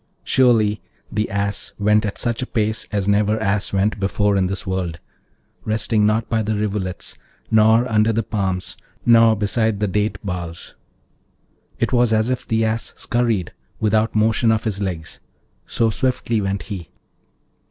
Surely, the Ass went at such a pace as never Ass went before in this world, resting not by the rivulets, nor under the palms, nor beside the date boughs; it was as if the Ass scurried without motion of his legs, so swiftly went he.